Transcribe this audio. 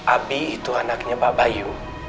abi itu anaknya pak bayu